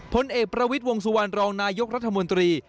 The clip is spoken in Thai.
ผลเอกประวิทย์วงสุวรรณรองนายกรัฐมนตรี